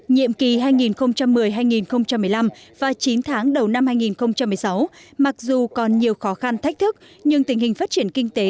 nhiệm kỳ hai nghìn một mươi hai nghìn một mươi năm và chín tháng đầu năm hai nghìn một mươi sáu mặc dù còn nhiều khó khăn thách thức nhưng tình hình phát triển kinh tế